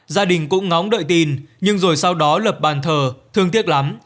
gia đình cũng ngóng đợi tin nhưng rồi sau đó lập bàn thờ thương tiếc lắm